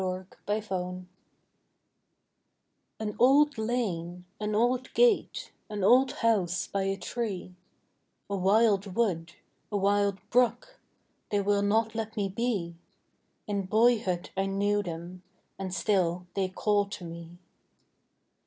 THE OLD HOME An old lane, an old gate, an old house by a tree; A wild wood, a wild brook they will not let me be: In boyhood I knew them, and still they call to me.